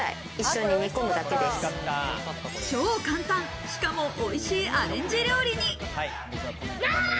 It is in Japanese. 超簡単、しかもおいしいアレンジ料理に。